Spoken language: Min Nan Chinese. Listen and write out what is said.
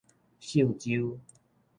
秀洲